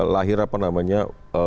lahir apa namanya